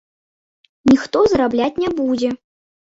Ніхто зарабляць не будзе.